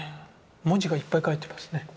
文字がいっぱい書いてますね。